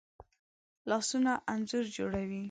لاسونه انځور جوړوي